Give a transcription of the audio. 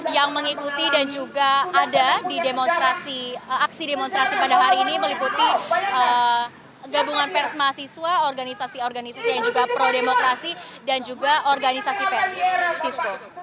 yang mengikuti dan juga ada di aksi demonstrasi pada hari ini meliputi gabungan pers mahasiswa organisasi organisasi yang juga pro demokrasi dan juga organisasi persko